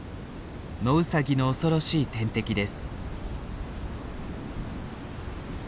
ノウサギの恐ろしい天敵です。